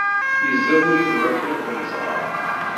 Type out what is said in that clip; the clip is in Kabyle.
Yezza wul-inu akken ad ken-ẓreɣ.